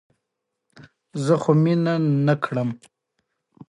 دا د کومو چارواکو له خوا ترسره کیږي؟